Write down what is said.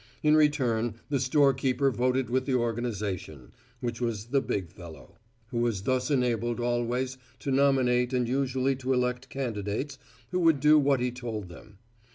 In return, the storekeeper voted with the organization, which was the big fellow, who was thus enabled always to nominate and usually to elect candidates who would do what he told them.